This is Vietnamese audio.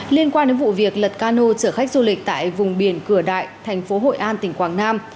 liên quan đến vụ việc lật cano chở khách du lịch tại vùng biển cửa đại thành phố hội an tỉnh quảng nam